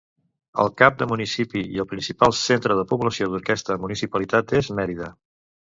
El cap de municipi i el principal centre de població d'aquesta municipalitat és Mérida.